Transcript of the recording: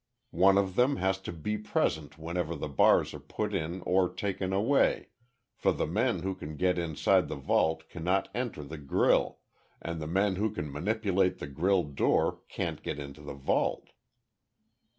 One of them has to be present whenever the bars are put in or taken away, for the men who can get inside the vault cannot enter the grille, and the men who can manipulate the grille door can't get into the vault."